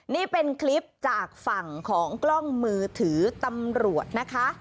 นี่เป็นคลิปจากฝั่งของกล้องมือถือตำรวจนะคะ